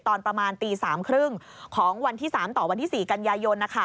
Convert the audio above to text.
ตอนประมาณตี๓๓๐ของวันที่๓ต่อวันที่๔กันยายน